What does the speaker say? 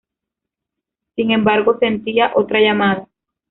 Sin embargo, sentía otra llamada.